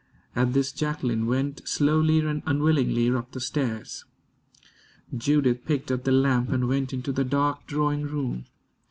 At this, Jacqueline went slowly and unwillingly up the stairs. Judith picked up the lamp and went into the dark drawing room.